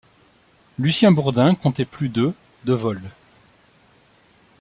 Lucien Bourdin comptait plus de de vol.